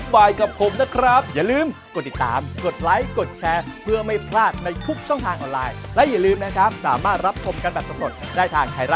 โปรดติดตามตอนต่อไป